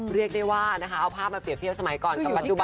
เรียกได้ว่านะคะเอาภาพมาเรียบเทียบสมัยก่อนกลับมาดู